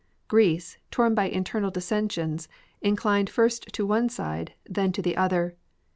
Greece, torn by internal dissensions, inclined first to one side, then to the other.